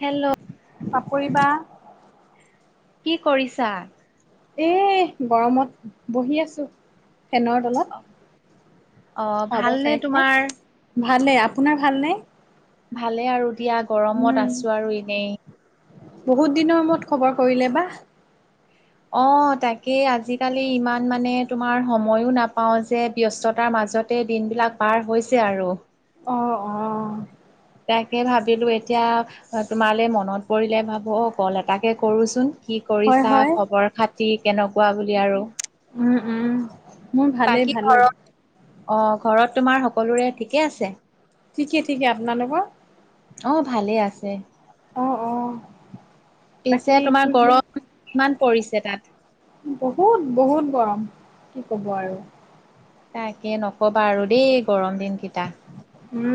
Hello, Papori বা। কি কৰিছা। এই, গৰমত বহি আছোঁ ফেনৰ তলত। অ' হাবা ভালনে খাই খাই তোমাৰ? ভালেই আপোনাৰ ভালনে। ভালেই আৰু দিয়া গৰমত উম, আছো আৰু এনেই। বহুত দিনৰ মূৰত খবৰ কৰিলে বা। অ, তাকেই আজিকালি ইমান মানে তোমাৰ সময়ো নাপাওঁ যে। ব্যস্ততাৰ মাজতেই দিনবিলাক পাৰ হৈছে আৰু। অ অ, তাকে ভাবিলোঁ এতিয়া তোমালে মনত পৰিলে ভাবোঁ অ কল এটাকে কৰোঁচোন। কি হয়, কৰিছা হয়, খবৰ খাতি কেনেকুৱা বুলি আৰু, উম উম মোৰ ভালেই বাকী ভালেই। ঘৰত অ ঘৰত তোমাৰ সকলোৰে ঠিকেই আছে। ঠিকেই ঠিকে আপনালোক। অ ভালেই আছে। অ অ পিছে বাকী তোমাৰ ফুৰিব গৰম কিমান পৰিছে তাত। বহুত বহুত গৰম কি ক'ব আৰু, তাকে নকবা আৰু দেই গৰম দিন কেইটা উম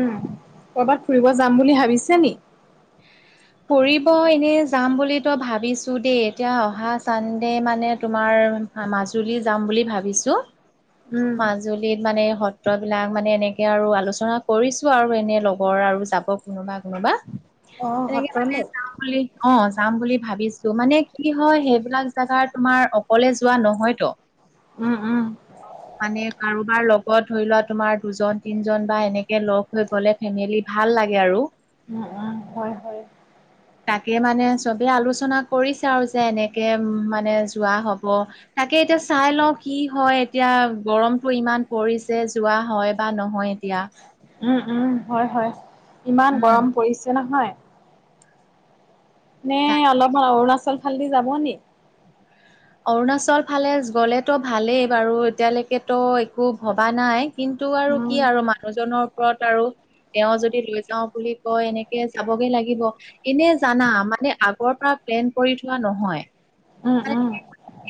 কৰ'বাত ফুৰিব যাম বুলি ভাবিছে নি? [inaudible] ফুৰিব এনে যাম বুলি তো ভাবিছো দেই এতিয়া অহা চানডে মানে তোমাৰ। মাজুলী যাম বুলি ভাবিছোঁ উম, মাজু মাজুলিত মানে সত্ৰবিলাক মানে এনেকে আৰু আলোচনা কৰিছোঁ আৰু এনে লগৰ আৰু যাব কোনোবা কোনোবা অ', এনেকে মানে সত্ৰলৈ [unintelligible] বুলি অ যাম বুলি ভাবিছোঁ মানে কি হয় সেইবিলাক জাগাৰ তোমাৰ অকলে যোৱা নহয় ত। উম উম মানে কাৰোবাৰ লগত ধৰি লোৱা তোমাৰ দুজন তিনজন বা এনেকে লগ হৈ গ'লে ফেমেলি ভাল লাগে আৰু। অ অ হয় হয়। [inaudible] তাকে মানে চবেই আলোচনা কৰিছে আৰু যে এনেকে মানে যোৱা হ'ব। তাকে এতিয়া চাই লওঁ কি হয় এতিয়া গৰমটো ইমান পৰিছে যোৱা হয় বা নহয় এতিয়া। উম উম, হয় হয়। ইমান উম গৰম পৰিছে নহয়। নে তাক অলপমান অৰুণাচল ফালেদি যাব নি? অৰুণাচল ফালে গ'লেতো ভালেই বাৰু এতিয়ালৈকেতো একো ভবা নাই। কিন্তু আৰু উম কি আৰু মানুহজনৰ ওপৰত আৰু। তেওঁ যদি লৈ যাওঁ বুলি কয় এনেকে যাবগে লাগিব। এনে জানা মানে আগৰ পৰা প্লেন কৰি থোৱা নহয়। উম উম।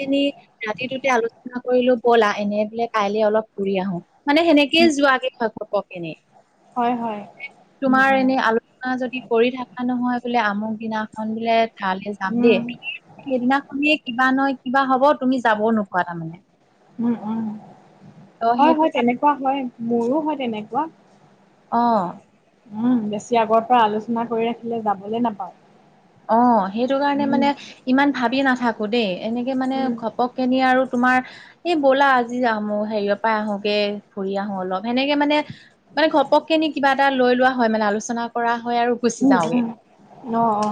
এনে ৰাতিটোতে আলোচনা কৰিলো ব'লা এনেই বোলে কাইলে অলপ ঘুৰি আহো। মানে সেনেকেই যোৱাকে হয় ঘপকেনে। হয় হয় উম তোমাৰ উম এনে আলো চনা যদি কৰি থকা নহয় বোলে আমুক দিনাখন বোলে তালে যাম দেই, উম তুমি সেইদিনাখনেই কিবা নহয় কিবা হ'ব তুমি যাব নোপোৱা তাৰমানে। উম উম, ত হয় সেইটো হয়, কাৰ- তেনেকুৱা হয়, মোৰো হয় তেনেকুৱা। অ। উম বেছি আগৰ পৰা আলোচনা কৰি ৰাখিলে যাবলে নাপাওঁ। অ সেইটো কাৰণে উম মানে ইমান ভাবি নাথাকোঁ দেই এনেকে মানে উম ঘপক কে নিয়ে আৰু তোমাৰ এই ব'লা আজি যাম মোৰ হেৰিয়ৰ পৰাই আহোগে, ফুৰি আহো অলপ সেনেকে মানে মানে ঘপককে নি কিবা এটা লৈ লোৱা হয় মানে আলোচনা কৰা হয় আৰু গুচি উম যাওঁগে উম, অ অ,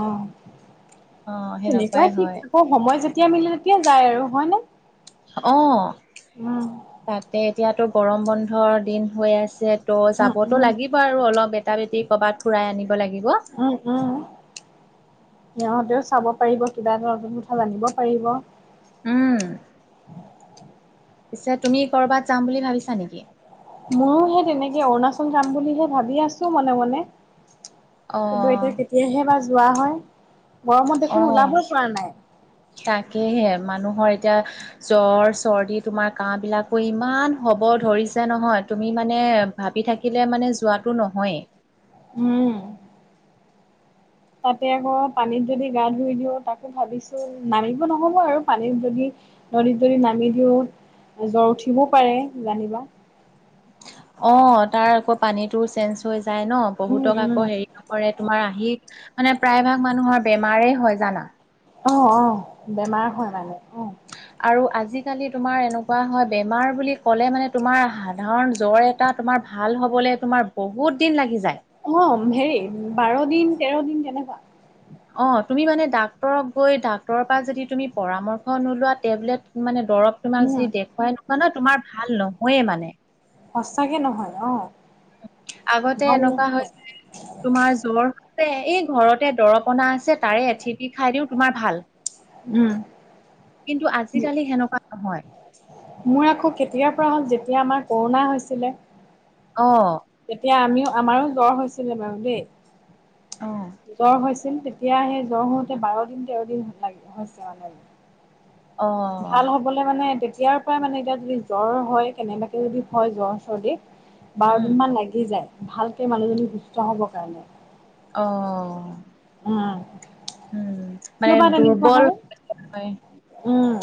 অ সেনেকুৱাই তেনেকুৱাই ঠিক হয় অ' সময় যেতিয়া মিলে তেতিয়া যায় আৰু হয়নে? অ। উম। তাতে এতিয়াতো গৰম বন্ধৰ দিন হৈ আছে ত' উম যাবতো উম লাগি ব‌ আৰু অলপ বেটা বেটিক ক'ৰবাত ফুৰাই আনিব লাগিব। অ অ। সিহঁতেও চাব পাৰিব, কিবা এটা নতুন কথা জানিব পাৰিব। উম। পিছে তুমি ক'ৰবাত যাম বুলি ভাবিছা নেকি? ময়ো সেই তেনেকে অৰুণাচল যাম বুলিহে ভাবি আছোঁ মনে মনে। অ কিন্তু এতিয়া কেতিয়াহে বা যোৱা হয় গৰমত দেখোন অ ওলাবই পৰা নাই। তাকেহে মানুহৰ এতিয়া জ্বৰ চৰ্দি তোমাৰ কাহ বিলাকো ইমান হ'ব ধৰিছে নহয়, তুমি মানে ভাবি থাকিলে মানে যোৱাটো নহয়েই। উম। তাতে আকৌ পানীত যদি গা ধুই দিওঁ তাকো ভাবিছোঁ। নামিব নহ'ব আৰু পানীত যদি নদীত যদি নামি দিওঁ জ্বৰ উঠিবও পাৰে জানিবা! অ তাৰ আকৌ পানীতো চেঞ্জ হৈ যায় ন, উম বহুতক উম আকৌ অ হেৰি কৰে তোমাৰ আহি, মানে প্ৰায় ভাগ মানুহৰ বেমাৰে হয় জানা। অ, অ বেমাৰ হয় মানে অ। আৰু আজিকালি তোমাৰ এনেকুৱা হয় বেমাৰ বুলি ক'লে মানে তোমাৰ সাধাৰণ জ্বৰ এ- টা তোমাৰ ভাল হ'বলে তোমাৰ বহুত দিন লাগি যায়। অঁ হেৰি বাৰ দিন তেৰ দিন তেনেকুৱা। অঁ তুমি মানে ডাক্তৰত গৈ ডাক্তৰৰ পৰা যদি তুমি পৰামৰ্শ নোলোৱা টেবলেট মানে দৰৱ- তোমাক উম যি দেখুৱাই মানে তোমাৰ ভাল নহয়ে মানে। সঁচাকে নহয়, অঁ'। আগতে এনেকুৱা হৈছিলে- তোমাৰ জ্বৰ এই ঘৰতে দৰৱ অনা আছে তাৰে এঠিপি খাই দিওঁ তোমাৰ ভাল- উম। কিন্তু, আজিকালি সেনেকুৱা নহয়। মই আকৌ কেতিয়াৰ পৰা হ'ল, যেতিয়া আমাৰ ক'ৰোণা হৈছিলে। অঁ' তেতিয়া আমি আমাৰ জ্বৰ হৈছিলে বাৰু দেই। অ জ্বৰ হৈছি- ছিল। তেতিয়া সেই জ্বৰ হওঁতে বাৰ দিন তেৰ দিন হৈছে আও মানে। অ ভাল হবলে মানে তেতিয়াৰ পৰাই মানে এতিয়া যদি জ্বৰ হয় কেনেবাকে যদি হয় জ্বৰ চৰ্দি- বাৰ উম দিন মান লাগি যায় ভালকে মানুহজনী সুস্থ হবৰ কাৰণে। অঁ' অঁ' মানে কিয়বা তেনেকুৱা দুৰ্বল হয়? হয় উম'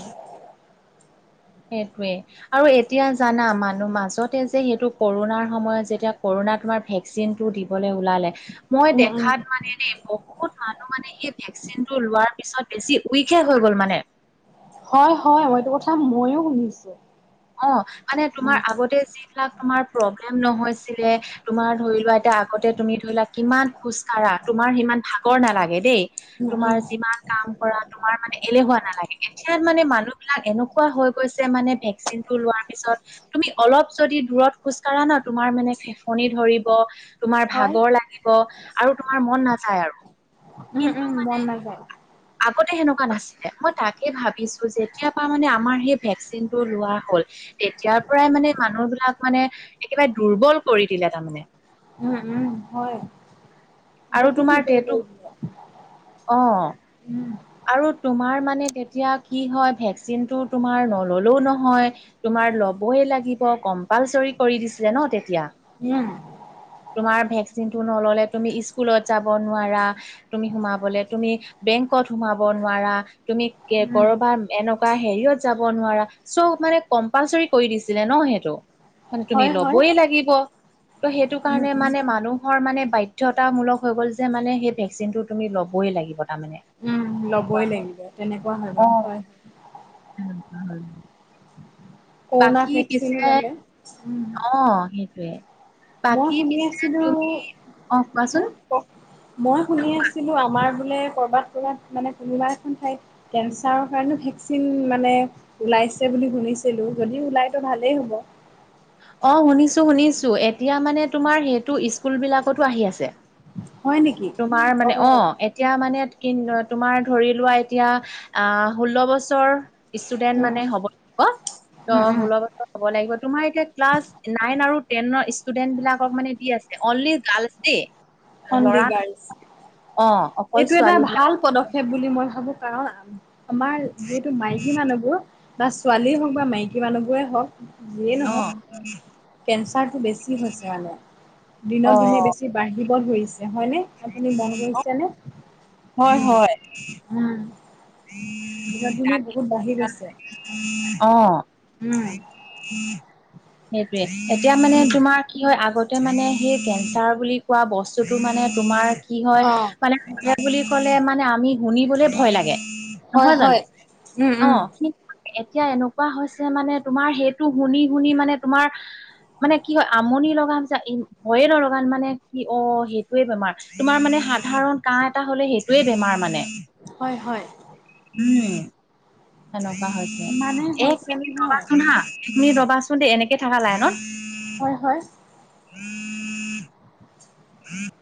সেইটোৱে। আৰু এতিয়া জানা মানুহ মাজতে যে সেইটো কৰুণাৰ সময়ত যেতিয়া কৰুণাত তোমাৰ ভেগ- চিনটো দিবলে ওলালে মই উম, উম। দেখাত মানে দেই ব- বহুত মানুহ মানে এই ভেকচিনটো লোৱাৰ পিছত বেছি উইক হে হৈ গ'ল মানে। হয় হয়, এইটো কথা মইয়ো শুনিছো। অঁ মানে তোমাৰ উম, আগতে যি- বিলাক তোমাৰ প্ৰব্লেম নহৈছিলে, তোমাৰ ধৰি লোৱা এতিয়া আগতে তুমি ধৰি লোৱা কিমান- খোজকাঢ়া তোমাৰ সিমান ভাগৰ নালাগে দেই, উম, তোমাৰ উম, যিমান- কাম কৰা তোমাৰ মানে এলেহুৱা নালাগে। এতিয়া মানে মানুহবিলাক এনেকুৱা হৈ গৈছে মানে ভেক- চিনটো লোৱাৰ পিছত- তুমি অলপ যদি দূৰত খোজ কঢ়া ন তোমাৰ মানে ফেফনি ধৰিব, - তোমাৰ হয়। ভাগৰ লাগিব আৰু তোমাৰ মন নাযায় আৰু। উম কিন্তু উম' মানে মন নাযায়। আগতে সেনেকুৱা নাছিলে, মই তাকে ভাবিছো যেতিয়া পা মানে আমাৰ সেই ভেকচিনটোত- লোৱা হ'ল তেতিয়াৰ পৰাই মানে মানুহ বিলাক মানে একেবাৰে দুৰ্বল কৰি দিলে তাৰমানে। উম উম' হয়, বহুত দূৰ্বল কৰি দিলে। অঁ' আৰু তোমাৰ মানে তেতিয়া কি হয়? ভেকচিনটো তোমাৰ নললেও নহয়, - তোমাৰ লবই লাগিব কম্পালচৰি কৰি দিছিলে ন তেতিয়া। উম' তোমাৰ ভেকচিনটো নল'লে তুমি স্কুলত যাব নোৱাৰা, তুমি সোমাব- বলে, তুমি বেংকত সোমাব নোৱাৰা তুমি উম, কৰবাত- এনেকুৱা হেৰিয়ত যাব নোৱাৰা, চব মানে কম্পালচৰি কৰি দিছিলে ন সেইটো। মানে তুমি হয়, হয়। লবই লাগিব ত' সেইটো উম, কাৰণে মানে মানুহ- হয় মানে বাদ্যতামূলক হৈ গ'ল যে মানে সেই ভেকচিনটো তুমি ল'বই লাগিব তাৰ মানে। উম' ল'বই লাগিব তেনেকুৱা হৈ গ'ল, হয়। উম' উম' কৰুণা ভেকচিন ললে? উম'। অ সেইটোৱে মই বাকী শুনি পিছে আছিলোঁ তুমি, অ হা কোৱাচোন মই শুনি আছিলো আমাৰ বোলে কৰ'বাত কৰ'বাত মানে কোনোবা এখন ঠাইত কেঞ্চাৰৰ কাৰণে ভেকচিন মানে ওলাইছে বুলি শুনিছিলো যদি ওলাইতো ভালেই হ'ব। অঁ শুনিছো শুনিছো এতিয়া মানে তোমাৰ সেইটো স্কুলবিলাকতো আহি আছে। হয় নেকি তোমাৰ অ', মানে অঁ উম, এতিয়া মানে কি তোমাৰ ধৰি লোৱা এতিয়া আহ ষোল্ল বছৰ ষ্টুডেন্ট মানে উম, হ'ব ত উম, উম, ষোল্ল বছৰ হ'ব লাগিব তোমাৰ এতিয়া ক্লাছ নাইন আৰু টেনৰ ষ্টুডেন্ট বিলাকক মানে দি আছে অনলি গাৰ্লছ দেই [inaudible] অনলি অ গাৰ্লছ অকল এইটো এটা ছোৱালী ভাল বিলাকক পদ ক্ষেপ বুলি মই ভাবো কাৰণ আমাৰ যিহেতু মাইকী মানুহবোৰ বা ছোৱালীয়ে হওক বা মাইকী মানুহবোৰে হওক যিয়ে অ নহওক, কেঞ্চাৰটো বেছি হৈছে মানে দিনত অ দিনে বেছি বাঢ়িব ধৰিছে হয় নে আপুনি মন কৰিছেনে? উম। উম দিনক দিনে বহুত বাঢ়ি গৈছে। অহ। উম, সেইটোৱে এতিয়া মানে উম, তোমাৰ কি হয় আগতে মানে সেই কেন্ঞ্চাৰ বুলি কোৱা বস্তুটো মানে তোমাৰ কি হয় অ', মানে বুলি কলে মানে আমি শুনিবলে ভয় লাগে হয়, নহয় জানো? হয়, উম, উম, অঁ। এতিয়া এনেকুৱা হৈছে মানে তোমাৰ সেইটো শুনি শুনি মানে তোমাৰ মানে কি হয় আমনি লগা যে ভয়ে নলগা মানে কি অ সেইটোৱে বেমাৰ তোমাৰ মানে সাধাৰণ কাঁহ এটা হলে সেইটোৱে বেমাৰ মানে হয় হয়। উম সেনেকুৱা হৈছে ইমানেই এক হৈছে মিনিট নহয় ৰবাচোন হা এক মিনিট ৰবাচোন দেই এনেকে থকা লাইনত হয় হয়। [inaudible] [inaudible]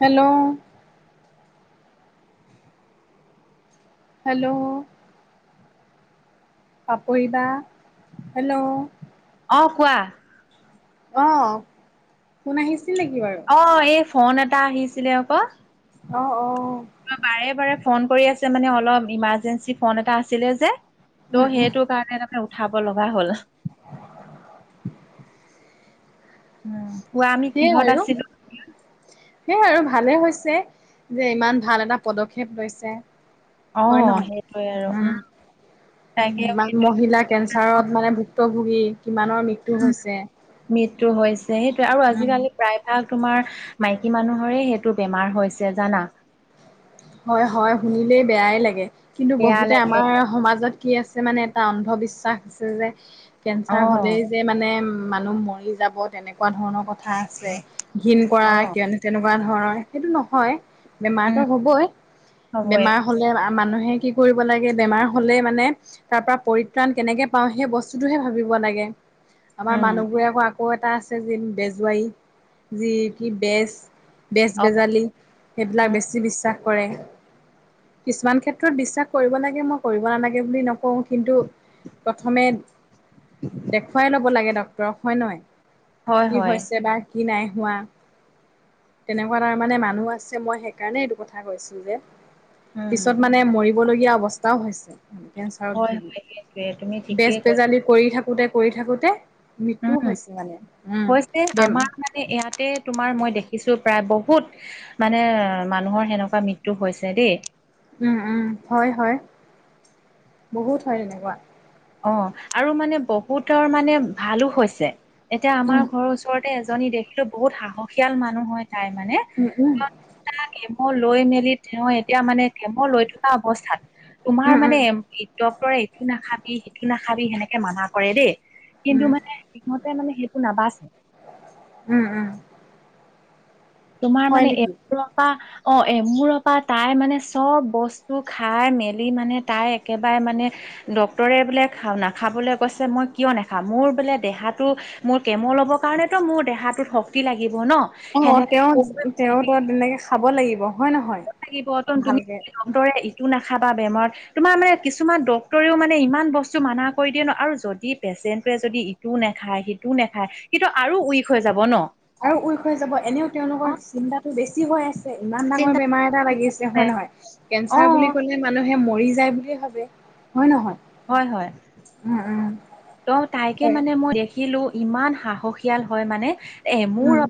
হেল্ল'! হেল্ল'! পাপৰি বা হেল্ল'! অ কোৱা। অঁ ফোন আহিছিল নেকি বাৰু? অ এই ফোন এটা আহিছিলে আক। অ অহ বাৰে বাৰে ফোন কৰি আছে মানে অলপ ইমাৰ্জেঞ্চি ফোন এটা আছিলে যে ত' সেইটো কাৰণে মানে উঠাব লগা হ'ল। উম কোৱা আমি কিহত সেইয়াই আৰু। [unintelligible] সেই আৰু ভালে হৈছে যে ইমান ভাল এটা পদক্ষেপ লৈছে। অ হয় নহয়? সেইটোয়ে আৰু উম। তাকে ইমান মহিলা কে ঞ্চাৰত মানে ভুক্তভোগী কিমানৰ মৃত্যু উম হৈছে। মৃত্যু হৈছে সেইটোয়ে আৰু আজিকালি প্ৰায় ভাগ তোমাৰ মাইকী মানুহৰে সেইটো বেমাৰ হৈছে জানা? হয় হয় শুনিলেই বেয়াই লাগে কিন্তু বেয়া বহুতে লাগে আমাৰ সমাজত কি আছে মানে এটা অন্ধবিশ্বাস আছে যে, অ কেঞ্চাৰ হ'লেই যে মানে মানুহ মৰি যাব তেনেকুৱা ধৰণৰ কথা আছে, ঘিণ কৰা অ কিয়নো তেনেকুৱা ধৰণৰ সেইটো নহয়, বেমাৰটো উম হ'বই হবয়ে বেমাৰ হ'লে আ মানুহে কি কৰিব লাগে? বেমাৰ হলে মানে তাৰ পৰা পৰিত্ৰাণ কেনেকে পাওঁ সেই বস্তুটোহে ভাবিব লাগে। আমাৰ উম মানুহবোৰে আকৌ আকৌ এটা আছে যি বেজুৱাৰী, যি কি বেজ বেজ - অ বেজালি উম সেইবিলাক বেছি বিশ্বাস কৰে, কিছুমান ক্ষেত্ৰত বিশ্বাস কৰিব লাগে মই কৰিব নালাগে বুলি নকওঁ কিন্তু প্ৰথমে, দেখুৱাই ল'ব লাগে ডক্তৰক হয় নহয়? হয় কি হয় হৈছে বা কি নাই হোৱা তেনেকুৱা তাৰমানে মানুহ আছে মই সেইকাৰণে এইটো কথ থা কৈছো যে উম পিছত মানে মৰিবলগীয়া অৱস্থাও হৈছে। উম কেন্সাৰত হয় ভুগি, হয় সেইটোয়ে তুমি বেজ ঠিকেই কৈছা বেজালি কৰি থাকোতে কৰি থাকোতে উম মৃত্যু হৈছে মানে উম, বে এ ইয়াতে তোমাৰ মই দেখিছো প্ৰায় বহুত মানে মানুহৰ সেনেকুৱা মৃত্যু হৈছে দেই। উম উম, হয় হয়, বহুত হয় তেনেকুৱা। অ' আৰু মানে বহুতৰ মানে ভালো হৈছে এতিয়া আমাৰ উম ঘৰৰ ওচৰত তে এজনী দেখিলো বহুত সাহসীয়াল মানুহ হয় তাই মানে উম উম [unintelligible] তা কেম লৈ মেলি তেওঁ এতিয়া মানে কেম লৈ থকা অৱস্থাত তোমাৰ উম উম মানে এম ই ডক্তৰে এইটো নাখাবি সেইটো নাখাবি সেনেকে মানা কৰে দেই। উম কিন্তু মানে সিঁহতে মানে সেইটো নাবাচে। উম, উম। তোমাৰ হয় মানে এ [unintelligible] নেকি পৰা অঁ', এমোৰৰ পৰা তাই মানে চব বস্তু খাই মেলি মানে তাই একেবাৰে মানে ডক্তৰে বোলে খা নাখাবলৈ কৈছে মই কিয় নেখাম, মোৰ বোলে দেহাটো মোৰ কেম ল'ব কাৰণেতো মোৰ দেহাটোত শক্তি লাগিব ন। অ', সেনেকে তেওঁ তেওঁতো তেনেকে খাব লাগিব। হয় নহয় [unintelligible] লাগিব তুমি ভালকে ডক্তৰে ইটো নাখাবা বেমাৰত তোমাৰ মানে কিছুমান ডক্তৰেও মানে ইমান বস্তু মানা কৰি দিয়ে ন আৰু যদি পেচেণ্টোৱে যদি টো নেখায় সিটো নেখায় সিটো আৰু উইক হৈ যাব ন? আৰু উইক হৈ যাব এনেও তেওঁলোকৰ চিন্তাটো বেছি হৈ আছ তে ইমান ডাঙৰ চিন্তা বেমাৰ এটা লাগিছে হয় নহয়? অ কেঞ্চাৰ বুলি ক'লে মানুহে মৰি যায় বুলিয়ে ভাবে হয় নহয়? হয় হয়, উম উম ত' তাইকে হয় মানে মই দে খিলো ইমান সাহসীয়াল হয় মানে এ মোৰ উম